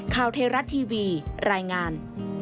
ข่าวเทรัตน์ทีวีรายงาน